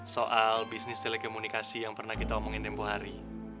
soal bisnis telekomunikasi yang pernah kita omongin tempoh hari